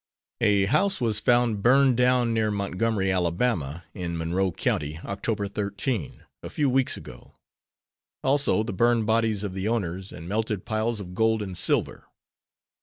A house was found burned down near Montgomery, Ala., in Monroe County, Oct. 13, a few weeks ago; also the burned bodies of the owners and melted piles of gold and silver.